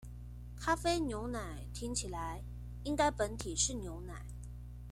咖啡牛奶聽起來，應該本體是牛奶